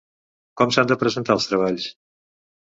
Com s'han de presentar els treballs?